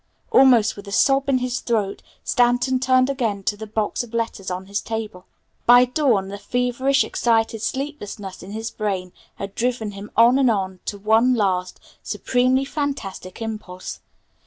Almost with a sob in his throat Stanton turned again to the box of letters on his table. By dawn the feverish, excited sleeplessness in his brain had driven him on and on to one last, supremely fantastic impulse.